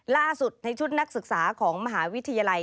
ล่าสุดในชุดนักศึกษาของมหาวิทยาลัย